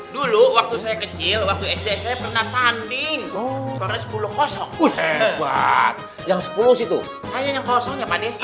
dulu waktu saya kecil waktu saya pernah tanding karena sepuluh sepuluh itu yang kosong